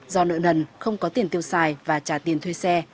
do nợ nần không có tiền tiêu xài và trả tiền thuê xe